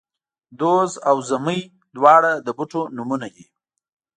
دوز او زمۍ، دواړه د بوټو نومونه دي